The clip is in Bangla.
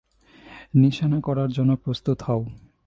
নিশানা করার জন্য প্রস্তুত হও!